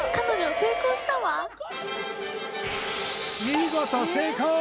見事成功！